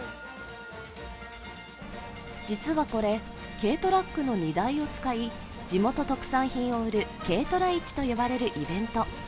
実はこれ、軽トラックの荷台を使い地元特産品を売る軽トラ市と呼ばれるイベント。